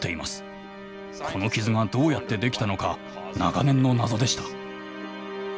この傷がどうやってできたのか長年の謎でした。